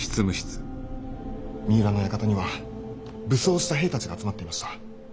三浦の館には武装した兵たちが集まっていました。